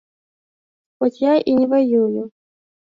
Хоць я і не ваюю.